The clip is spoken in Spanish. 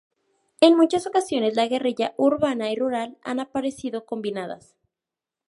En muchas ocasiones, la guerrilla urbana y rural han aparecido combinadas.